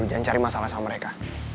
jangan cari masalah sama mereka